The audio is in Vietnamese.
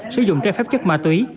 sử dụng trái phép chất ma túy